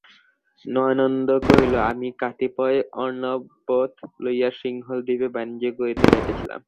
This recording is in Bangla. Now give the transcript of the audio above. নয়নানন্দ কহিল আমি কতিপয় অর্ণবপোত লইয়া সিংহলদ্বীপে বাণিজ্য করিতে যাইতেছিলাম।